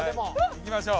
いきましょう。